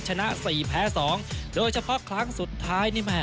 ชนะสี่แพ้สองโดยเฉพาะครั้งสุดท้ายนี่แม่